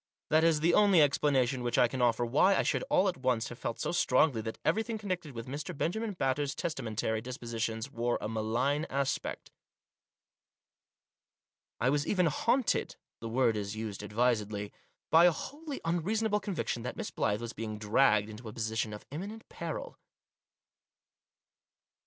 That is the only explanation which I can offer why I should all at once have felt so strongly that everything connected with Mr. Benjamin Batters' testamentary dispositions wore a malign aspect. I was even haunted — the word is used advisedly — by a wholly unreason able conviction that Miss Blyth was being dragged into a position of imminent peril.